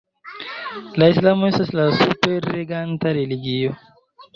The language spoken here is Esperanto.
La islamo estas la superreganta religio.